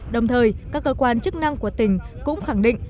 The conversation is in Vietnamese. đồng thời các cơ quan chức năng của tỉnh cũng khẳng định